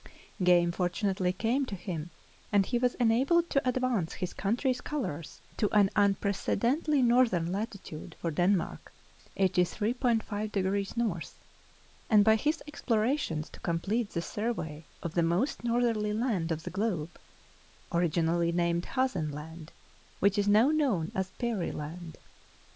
Game fortunately came to him and he was enabled to advance his country's colors to an unprecedentedly northern latitude for Denmark, 83.5" N., and by his explorations to com plete the survey of the most northerly land of the globe — originally named Hazen Land, which is now known as Peary Land.